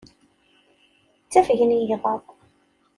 Ttafgen yigḍaḍ.